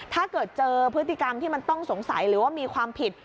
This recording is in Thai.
ถ้าเกิดเจอพฤติกรรมที่มันต้องสงสัยหรือว่ามีความผิด